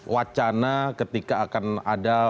wacana ketika akan ada